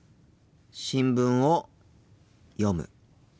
新聞を読む。